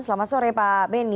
selamat sore pak benny